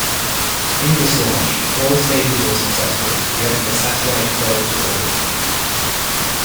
In this launch, all stages were successful, yet the satellite failed to orbit.